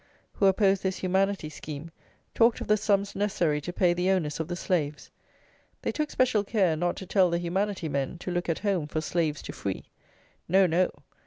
who opposed this humanity scheme talked of the sums necessary to pay the owners of the slaves. They took special care not to tell the humanity men to look at home for slaves to free. No, no!